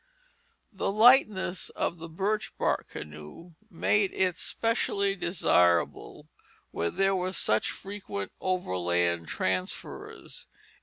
The lightness of the birch bark canoe made it specially desirable where there were such frequent overland transfers.